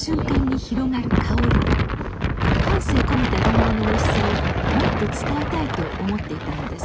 丹精込めたりんごのおいしさをもっと伝えたいと思っていたのです。